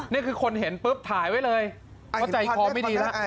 นี่คือคนเห็นปุ๊บถ่ายไว้เลยเขาใจคอไม่ดีแล้ว